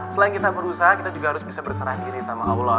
selain kita berusaha kita juga harus bisa berserah diri sama allah